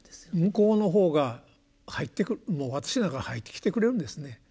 向こうの方が入ってくるもう私の中に入ってきてくれるんですね。